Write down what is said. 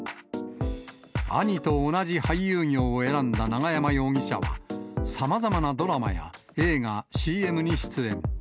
兄と同じ俳優業を選んだ永山容疑者は、さまざまなドラマや映画、ＣＭに出演。